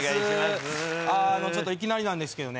ちょっといきなりなんですけどね